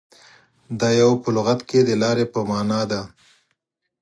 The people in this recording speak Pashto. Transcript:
• دایو په لغت کې د لارې په معنیٰ دی.